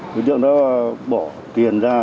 đối tượng đó bỏ tiền ra